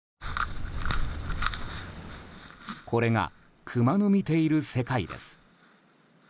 これがクマの見ている世界です。